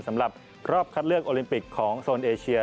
สำหรับรอบคัดเลือกโอลิมปิกของโซนเอเชีย